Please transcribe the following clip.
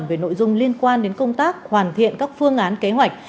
về nội dung liên quan đến công tác hoàn thiện các phương án kế hoạch